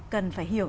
cần phải hiểu